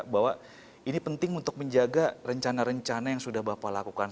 bahwa ini penting untuk menjaga rencana rencana yang sudah bapak lakukan